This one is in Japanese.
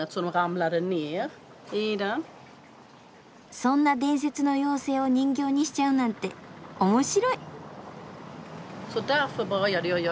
そんな伝説の妖精を人形にしちゃうなんて面白い！